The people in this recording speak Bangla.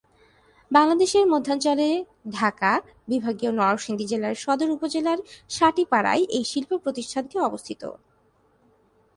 বাংলাদেশের মধ্যাঞ্চলের ঢাকা বিভাগের নরসিংদী জেলার সদর উপজেলার সাটিরপাড়ায় এই শিল্প প্রতিষ্ঠানটি অবস্থিত।